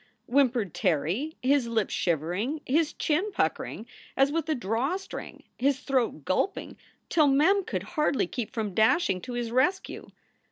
whimpered Terry, his lips shivering, his chin puckering as with a drawstring, his throat gulping till Mem could hardly keep from dashing to his rescue.